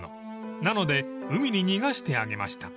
［なので海に逃がしてあげました］